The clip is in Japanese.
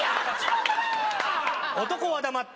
男は黙って。